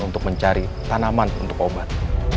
untuk mencari tanaman untuk obat